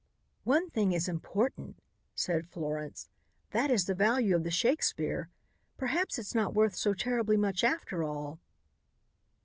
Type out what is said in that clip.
"One thing is important," said Florence. "That is the value of the Shakespeare. Perhaps it's not worth so terribly much after all."